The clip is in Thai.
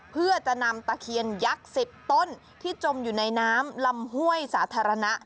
เพื่อจะนำตะเคียนยักษ์๑๐ต้นที่จมอยู่ในน้ำลำห้วยสาธารณะ